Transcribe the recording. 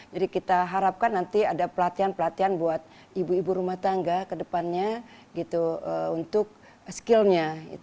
jadi kita harapkan nanti ada pelatihan pelatihan buat ibu ibu rumah tangga ke depannya untuk skill nya